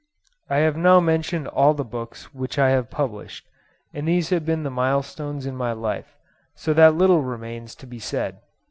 I have now mentioned all the books which I have published, and these have been the milestones in my life, so that little remains to be said.